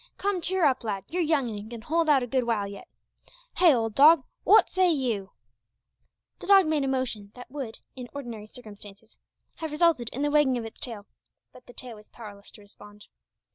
Come, cheer up, lad; you're young and can hold out a good while yet. Hey, old dog, wot say you?" The dog made a motion that would, in ordinary circumstances, have resulted in the wagging of its tail, but the tail was powerless to respond.